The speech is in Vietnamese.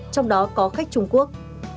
trong đó có khách trung quốc